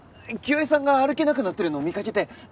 清江さんが歩けなくなってるのを見かけて。